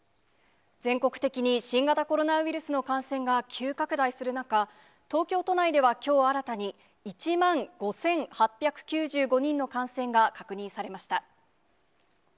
全国的に新型コロナウイルスの感染が急拡大する中、東京都内ではきょう、新たに１万５８９５人の感染が確認されました。